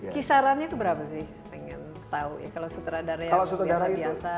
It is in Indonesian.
kisarannya itu berapa sih pengen tahu ya kalau sutradar ya